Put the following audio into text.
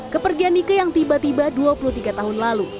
kepergian nike yang tiba tiba dua puluh tiga tahun lalu